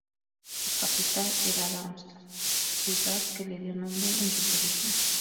Su capital era Darmstadt, ciudad que le dio nombre en sus orígenes.